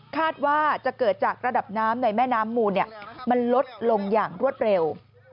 คาดว่าจะเกิดจากระดับน้ำในแม่น้ำมูลมันลดลงอย่างรวดเร็ว